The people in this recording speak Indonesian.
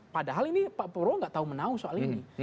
padahal ini pak prabowo tidak tahu menahu soal ini